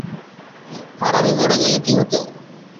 হারামী মরে গেলে কী হতো?